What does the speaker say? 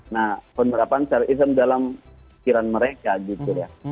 nah penerapan secara islam dalam pikiran mereka gitu ya